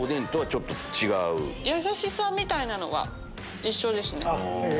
やさしさみたいなのは一緒ですね。